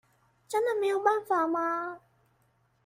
真的沒有辦法嗎？